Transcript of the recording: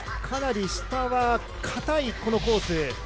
かなり下はかたいこのコース。